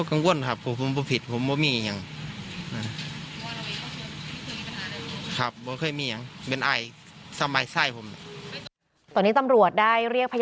ก็กังวลครับก็พูดผิดพู่มาว่าไม่นี่เนี่ย